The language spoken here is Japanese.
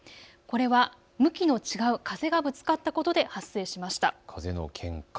これは向きの違う風がぶつかったことで発生しました。